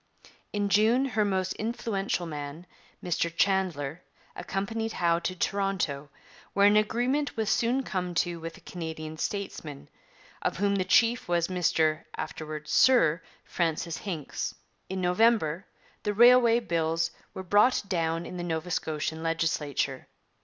In June her most influential man, Mr Chandler, accompanied Howe to Toronto, where an agreement was soon come to with the Canadian statesmen, of whom the chief was Mr (afterwards Sir) Francis Hincks. In November the Railway Bills were brought down in the Nova Scotian legislature.